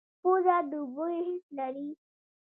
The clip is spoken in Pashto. پوزه د بوی حس لري